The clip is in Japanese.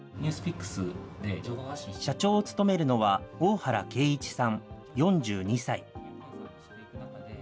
社長を務めるのは、大原啓一さん４２歳。